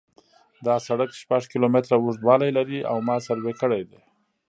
دا سرک شپږ کیلومتره اوږدوالی لري او ما سروې کړی دی